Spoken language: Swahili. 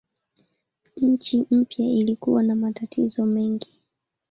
Nchi mpya ilikuwa na matatizo mengi.